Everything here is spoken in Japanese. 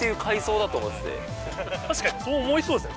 確かにそう思いそうですよね